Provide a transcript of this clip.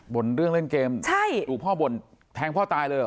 ่นเรื่องเล่นเกมใช่ถูกพ่อบ่นแทงพ่อตายเลยเห